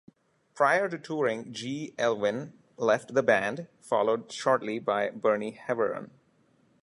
Prior to touring, G. Elwyn left the band, followed shortly by Bernie Heveron.